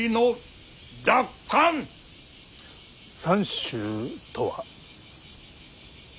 三種とは？